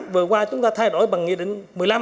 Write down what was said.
vừa qua chúng ta thay đổi bằng nghị định một mươi năm